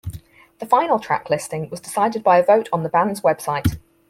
The final track listing was decided by a vote on the band's website.